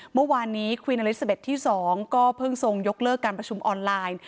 เมื่อวานนี้ควีนอลิซาเบ็ดที่๒ก็เพิ่งทรงยกเลิกการประชุมออนไลน์